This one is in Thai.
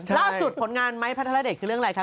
ล่าสุดผลงานไม้พระธรรมดิกคือเรื่องอะไรคะเกิน